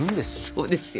そうですよ。